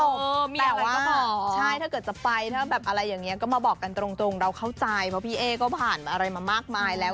แต่ว่าใช่ถ้าเกิดจะไปถ้าแบบอะไรอย่างนี้ก็มาบอกกันตรงเราเข้าใจเพราะพี่เอ๊ก็ผ่านอะไรมามากมายแล้ว